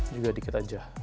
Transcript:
juga dikit aja